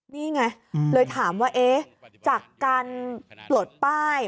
นี่ไงเลยถามว่าเอ๊ะจากการปลดป้าย